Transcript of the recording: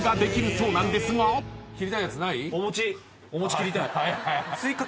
お餅切りたい。